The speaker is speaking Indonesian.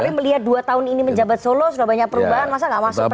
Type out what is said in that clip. tapi melihat dua tahun ini menjabat solo sudah banyak perubahan masa nggak masuk